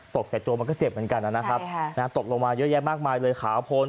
ตกแสดงมันก็เจ็บเหมือนกันตกกลงมาเยอะแยะมากมายเลยขาโพน